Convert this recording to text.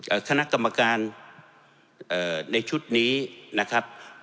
คณะกรรมการเอ่อในชุดนี้นะครับ